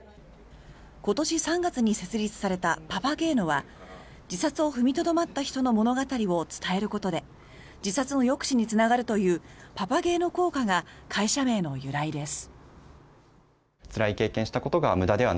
今年３月に設立されたパパゲーノは自殺を踏みとどまった人の物語を伝えることで自殺の抑止につながるというパパゲーノ効果が会社名の由来です。